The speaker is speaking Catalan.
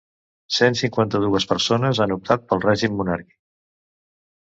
Cent cinquanta-dues persones han optat pel règim monàrquic.